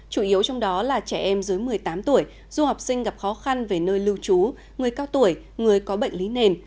chủ yếu trong đó là trẻ em dưới một mươi tám tuổi du học sinh gặp khó khăn về nơi lưu trú người cao tuổi người có bệnh lý nền